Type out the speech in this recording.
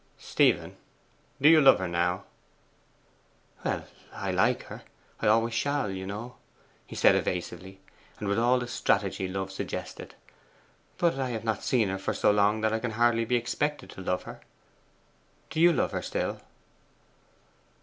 'Stephen, do you love her now?' 'Well, I like her; I always shall, you know,' he said evasively, and with all the strategy love suggested. 'But I have not seen her for so long that I can hardly be expected to love her. Do you love her still?